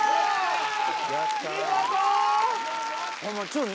見事！